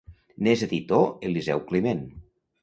N'és editor Eliseu Climent.